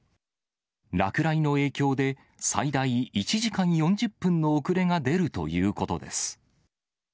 落雷の影響で、最大１時間４０分の遅れが出るということです。